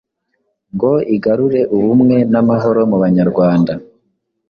ngo igarure ubumwe n’amahoro mu Banyarwanda?